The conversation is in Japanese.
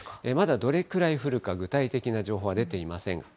まだどれくらい降るか、具体的な情報は出ていません。